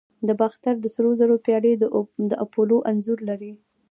د باختر د سرو زرو پیالې د اپولو انځور لري